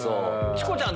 チコちゃん